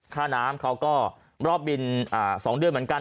ค่าน้ำเขาก็รอบบิน๒เดือนเหมือนกัน